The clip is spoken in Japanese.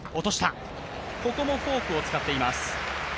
ここもフォークを使っています。